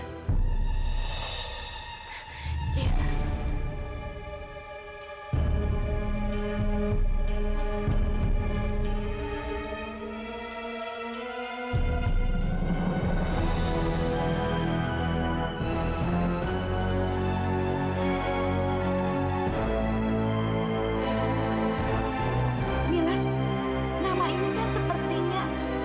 mila nama ini kan sepertinya